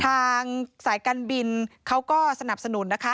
ทางสายการบินเขาก็สนับสนุนนะคะ